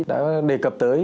đã đề cập tới